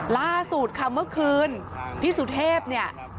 ล่าสุดค่ะเมื่อคืนพี่สุเทพเนี่ย